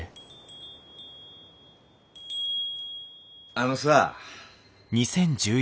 あのさ。